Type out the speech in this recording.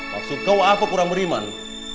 maksud kamu apa kurang beriman